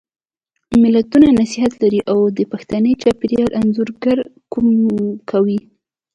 متلونه نصيحت لري او د پښتني چاپېریال انځورګري کوي